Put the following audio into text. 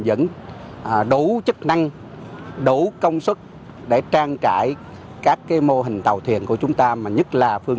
vẫn đủ chức năng đủ công sức để trang trải các mô hình tàu thuyền của chúng ta mà nhất là phương